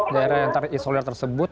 daerah yang terisolir tersebut